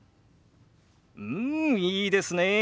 うんいいですねえ。